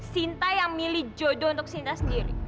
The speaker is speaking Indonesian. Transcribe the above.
sinta yang milih jodoh untuk sinta sendiri